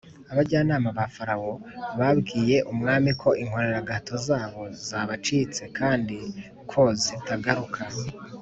abajyanama ba farawo babwiye umwami yuko inkoreragahazo zabo zabacitse kandi ko zitazagaruka.